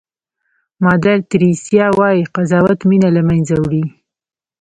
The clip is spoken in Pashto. مادر تریسیا وایي قضاوت مینه له منځه وړي.